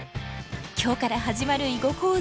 今日から始まる囲碁講座。